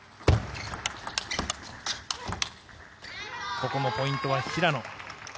ここもポイントは平野。